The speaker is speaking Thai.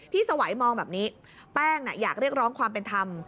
สวัยมองแบบนี้แป้งอยากเรียกร้องความเป็นธรรม